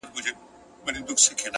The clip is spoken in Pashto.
مه کوه په ما، چي و به سي په تا.